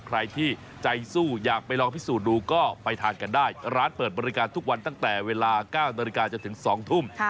ใครที่ใจสู้อยากไปลองพิสูจน์ดูก็ไปทานกันได้ร้านเปิดบริการทุกวันตั้งแต่เวลา๙นาฬิกาจนถึง๒ทุ่ม